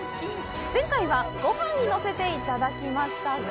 前回はご飯にのせていただきましたが？